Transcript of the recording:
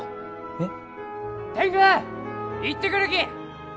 えっ！？